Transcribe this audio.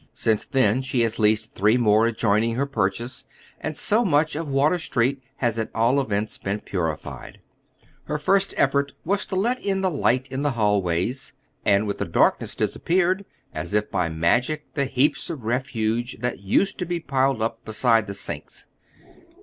Since then she has leased three more adjoin ing her purchase, and so much of Water Street has at all events been purified. Her first effort was to let in the light in the hallways, and with the darkness disappeared, as if by magic, the heaps of refuse that used to be piled oy Google 280 HOW THE OTHEU HALF LIVES. up beside the sinks.